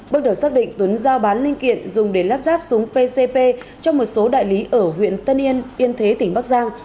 bước đầu xác định tuấn giao bán linh kiện dùng để lắp ráp súng pcp cho một số đại lý ở huyện tân yên yên thế tỉnh bắc giang